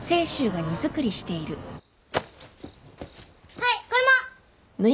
はいこれも。